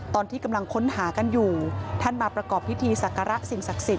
ตอนที่กำลังค้นหากันอยู่ท่านมาประกอบพิธี